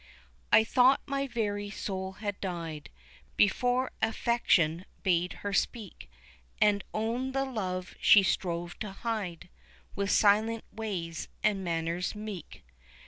I thought my very soul had died Before affection bade her speak, And own the love she strove to hide With silent ways and manners meek.